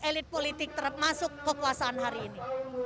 elit politik termasuk kekuasaan hari ini